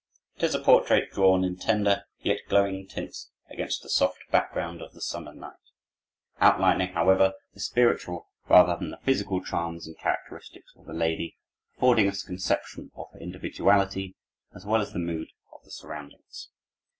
It is a portrait drawn in tender yet glowing tints against the soft background of the summer night, outlining, however, the spiritual rather than the physical charms and characteristics of the lady, affording us a conception of her individuality as well as the mood of the surroundings.